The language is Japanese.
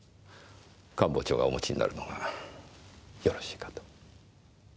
官房長がお持ちになるのがよろしいかと。